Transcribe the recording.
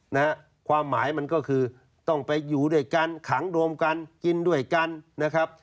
นะฮะความหมายมันก็คือต้องไปอยู่ด้วยกันขังรวมกันกินด้วยกันนะครับ